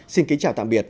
xin kính chào tạm biệt